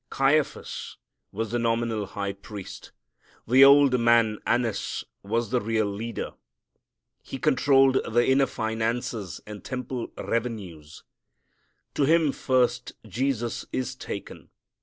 Caiaphas was the nominal high priest. The old man Annas was the real leader. He controlled the inner finances and the temple revenues. To him first Jesus is taken.